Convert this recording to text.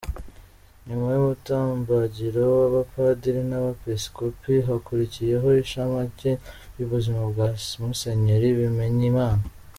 Nyuma y’umutambagiro w’abapadiri n’Abepiskopi, hakurikiyeho inshamake y’ubuzima bwa Musenyeri Bimenyimana.